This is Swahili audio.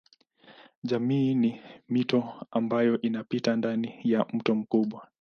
Jamii ni mito ambayo inapita ndani ya mto mkubwa.